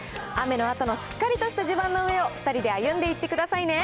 雨のあとのしっかりとした地盤の上を２人で歩んでいってください